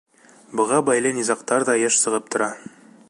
Быға бәйле низағтар ҙа йыш сығып тора.